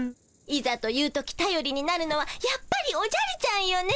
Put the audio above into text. いざという時たよりになるのはやっぱりおじゃるちゃんよね。